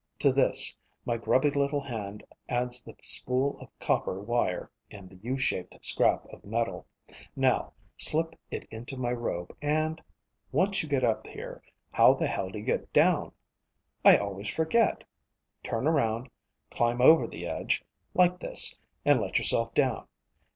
To this my grubby little hand adds the spool of copper wire and the U shaped scrap of metal. Now, slip it into my robe and once you get up here, how the hell do you get down? I always forget. Turn around, climb over the edge, like this, and let yourself down.